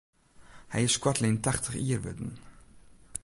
Hy is koartlyn tachtich jier wurden.